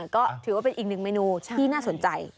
ก็ถือว่าเป็นอีกหนึ่งเมนูที่น่าสนใจ